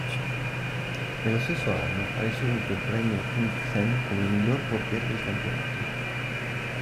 Nello stesso anno, ha ricevuto il premio Kniksen come miglior portiere del campionato.